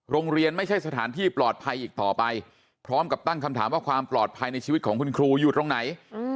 ไม่ใช่สถานที่ปลอดภัยอีกต่อไปพร้อมกับตั้งคำถามว่าความปลอดภัยในชีวิตของคุณครูอยู่ตรงไหน